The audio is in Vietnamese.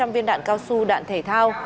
một ba trăm linh viên đạn cao su đạn thể thao